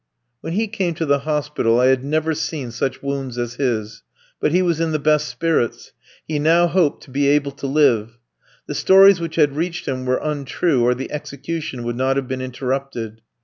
When he came to the hospital I had never seen such wounds as his; but he was in the best spirits. He now hoped to be able to live. The stories which had reached him were untrue, or the execution would not have been interrupted.